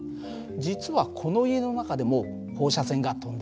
実はこの家の中でも放射線が飛んでるんだよ。